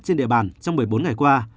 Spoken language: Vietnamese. trên địa bàn trong một mươi bốn ngày qua